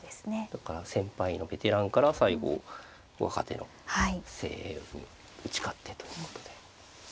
だから先輩のベテランから最後若手の精鋭に打ち勝ってということで。